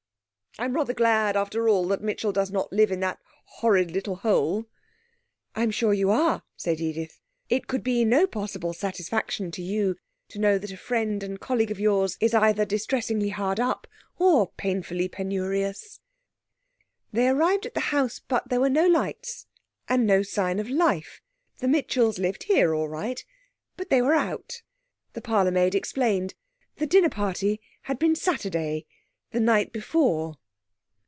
I'm rather glad, after all, that Mitchell doesn't live in that horrid little hole.' 'I'm sure you are,' said Edith; 'it could be no possible satisfaction to you to know that a friend and colleague of yours is either distressingly hard up or painfully penurious.' They arrived at the house, but there were no lights, and no sign of life. The Mitchells lived here all right, but they were out. The parlourmaid explained. The dinner party had been Saturday, the night before....